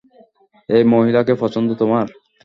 এই মহিলাকে পছন্দ তোমার?